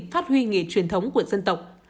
phát huy nghề truyền thống của dân tộc